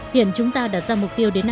hiện chúng ta đã sang một cuộc chiến đấu